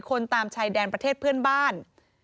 คนตามชายแดนประเทศเพื่อนบ้าน